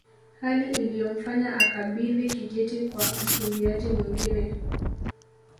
Hali iliyomfanya akabidhi kijiti kwa mkimbiaji mwingine